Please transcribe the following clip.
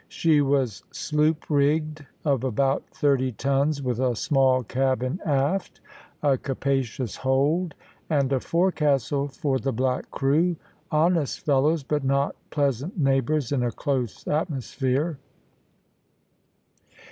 She was sloop rigged, of about thirty tons, with a small cabin aft, a capacious hold, and a forecastle for the black crew honest fellows, but not pleasant neighbours in a close atmosphere.